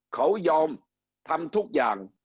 เขายอมทำทุกอย่าง